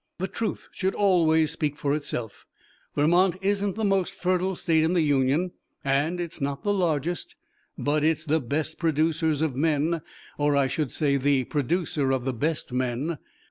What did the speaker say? The truth should always speak for itself. Vermont isn't the most fertile state in the Union and it's not the largest, but it's the best producer of men, or I should say the producer of the best men."